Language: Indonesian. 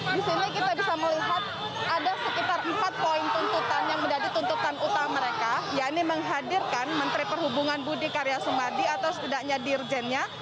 di sini kita bisa melihat ada sekitar empat poin tuntutan yang menjadi tuntutan utama mereka yaitu menghadirkan menteri perhubungan budi karya sumadi atau setidaknya dirjennya